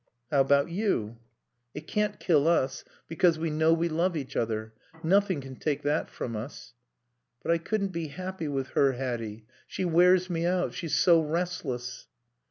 "How about you?" "It can't kill us, because we know we love each other. Nothing can take that from us." "But I couldn't be happy with her, Hatty. She wears me out. She's so restless."